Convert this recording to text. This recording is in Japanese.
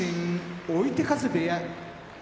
追手風部屋